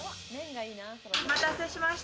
お待たせしました。